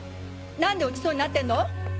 何で落ちそうになってんの？